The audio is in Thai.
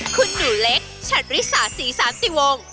คุณหนูเล็กชัดรีสาสี๓ติวง